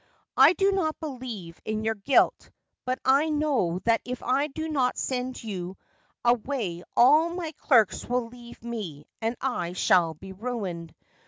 I do not believe in your guilt, but I know that if I do not send you away all my clerks will leave me, and I shall be ruined.